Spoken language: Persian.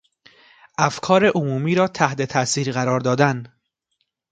افکار عمومی را تحت تاثیر قرار دادن